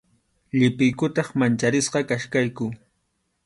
Llipiykutaq mancharisqa kachkayku.